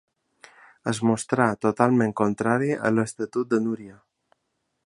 Es mostrà totalment contrari a l'Estatut de Núria.